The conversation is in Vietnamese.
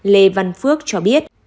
lê văn phước cho biết